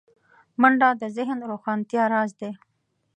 منډه د ذهن روښانتیا راز دی